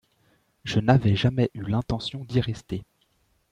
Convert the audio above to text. Je n'avais jamais eu l'intention d'y rester.